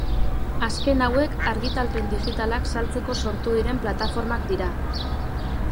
Azken hauek argitalpen digitalak saltzeko sortu diren plataformak dira.